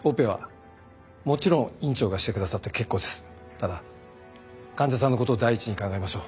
ただ患者さんの事を第一に考えましょう。